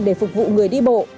để phục vụ người đi bộ